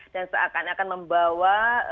dan seakan akan membawa